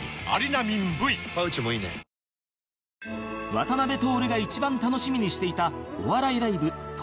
渡辺徹が一番楽しみにしていたお笑いライブ徹